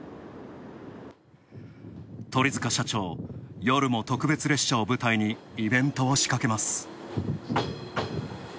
鳥塚社長、夜も特別列車を舞台にイベントを仕掛けます。